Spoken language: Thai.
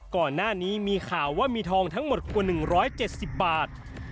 ก่อนหน้านี้มีข่าวว่ามีทองทั้งหมดกว่า๑๗๐บาท